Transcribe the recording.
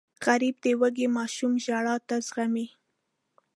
غریب د وږې ماشوم ژړا نه زغمي